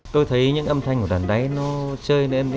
tôi thấy những âm thanh của đàn đáy nó chơi lên